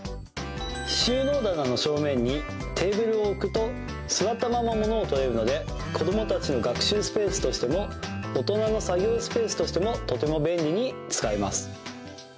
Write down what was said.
収納棚の正面にテーブルを置くと座ったままものを取れるので子どもたちの学習スペースとしても大人の作業スペースとしてもとても便利に使えます。